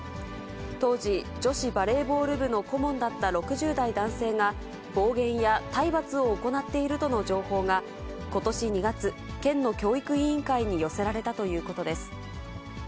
当時、女子バレーボール部の顧問だった６０代男性が、暴言や体罰を行っているとの情報が、ことし２月、県の教育委員会に寄せられたということです。